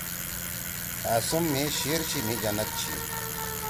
أ سُم مھی شیِر چھی مھی جنت چھی